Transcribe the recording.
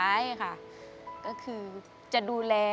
คุณหมอบอกว่าเอาไปพักฟื้นที่บ้านได้แล้ว